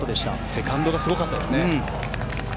セカンドがすごかったですね。